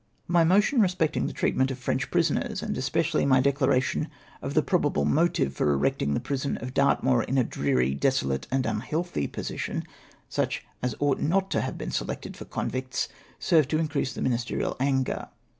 My motion respecting the treatment of Frencli prisoners, and especially my declaration of the pro bable motive for erecting the prison of Dartmoor in a dreary, desolate, and unhealthy position, such as ought not to have been selected for convicts, served to increase the ministerial auQ er.